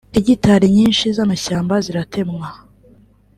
hegitari nyinshi z’amashyamba ziratemwa